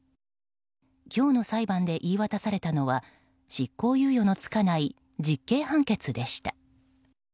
今日の裁判で言い渡されたのは執行猶予の付かない実刑判決でした。